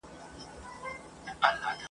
نه وېرېږې له آزاره د مرغانو ..